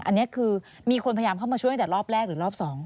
อันนี้คือมีคนพยายามเข้ามาช่วยแต่รอบแรกหรือรอบ๒